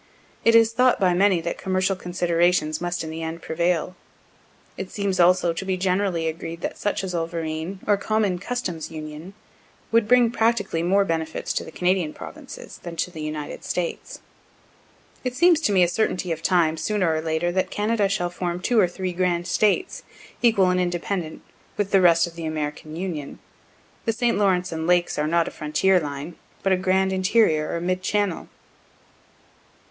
It is thought by many that commercial considerations must in the end prevail. It seems also to be generally agreed that such a zollverein, or common customs union, would bring practically more benefits to the Canadian provinces than to the United States. (It seems to me a certainty of time, sooner or later, that Canada shall form two or three grand States, equal and independent, with the rest of the American Union. The St. Lawrence and lakes are not for a frontier line, but a grand interior or mid channel.)